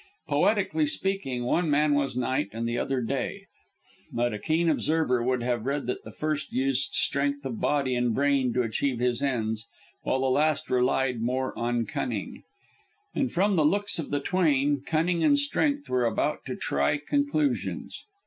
Poetically speaking, one man was Night and the other Day; but a keen observer would have read that the first used strength of body and brain to achieve his ends, while the last relied more on cunning. And from the looks of the twain, cunning and strength were about to try conclusions.